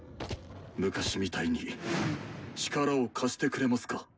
昔みたいに力を貸してくれますか？